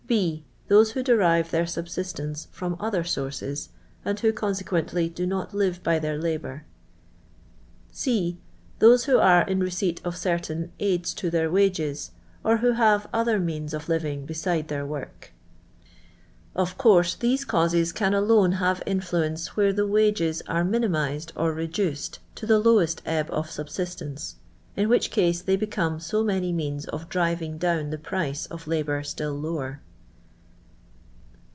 </>.) Those who derive their subsistence from other sources, and who, consequently, do I not livr by their labour. (c.) Those who are in receipt of certain "aids I to their wages," or who have other means of living beside their work. Of course these causes can alone have influence where the wages are viinxmized or reduced t<> the lowest ebb of subsistence, in which case they be conic so many means of driving down the price of labour still lower.